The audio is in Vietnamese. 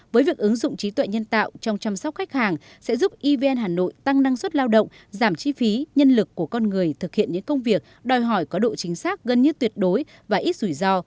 với việc ứng dụng trí tuệ nhân tạo trong chăm sóc khách hàng sẽ giúp evn hà nội tăng năng suất lao động giảm chi phí nhân lực của con người thực hiện những công việc đòi hỏi có độ chính xác gần như tuyệt đối và ít rủi ro